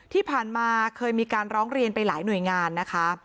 ที่ผ่านมาเคยมีการร้องเรียนไปหลายหน่วยงานนะคะ